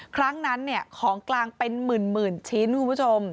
ครั้งนั้นของกลางเป็นหมื่นชิ้นคุณผู้ชม